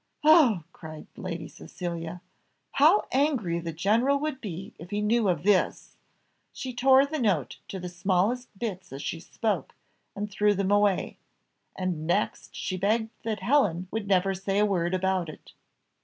"Oh!" cried Lady Cecilia, "how angry the general would be if he knew of this!" She tore the note to the smallest bits as she spoke, and threw them away; and next she begged that Helen would never say a word about it.